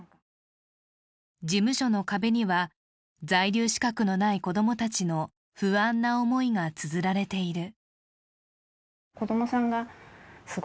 事務所の壁には在留資格のない子供たちの不安な思いがつづられている。